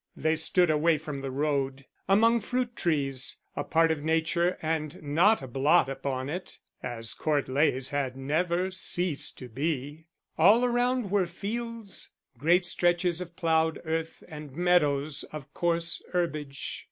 They stood away from the road, among fruit trees a part of nature and not a blot upon it, as Court Leys had never ceased to be. All around were fields, great stretches of ploughed earth and meadows of coarse herbage.